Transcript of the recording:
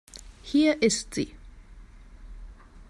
Hier ist sie.